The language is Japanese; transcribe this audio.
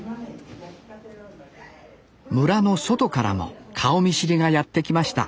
村の外からも顔見知りがやって来ました